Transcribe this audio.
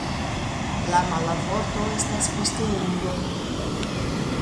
La mala vorto estas posteulo.